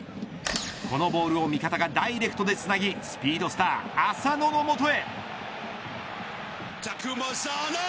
このボールを味方がダイレクトでつなぎスピードスター浅野のもとへ。